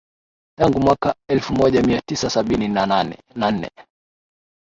tangu mwaka elfu moja mia tisa sabini na nne